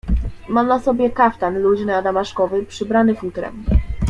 "Ma na sobie kaftan luźny adamaszkowy, przybrany futrem."